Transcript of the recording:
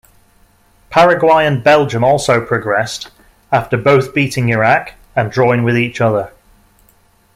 Paraguay and Belgium also progressed after both beating Iraq and drawing with each other.